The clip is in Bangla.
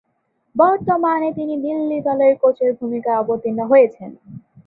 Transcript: বর্তমানে তিনি দিল্লি দলের কোচের ভূমিকায় অবতীর্ণ হয়েছেন।